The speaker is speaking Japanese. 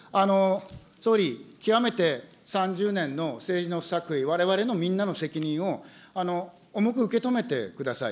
総理、極めて３０年の政治の不作為、われわれのみんなの責任を重く受け止めてください。